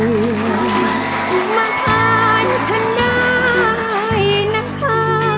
มาทานฉันได้นะคะ